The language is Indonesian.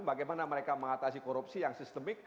bagaimana mereka mengatasi korupsi yang sistemik